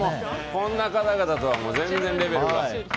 こんな方々とは全然レベルが。